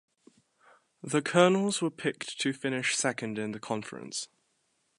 The Colonels were picked to finish second in the conference.